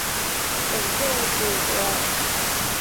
本作主角。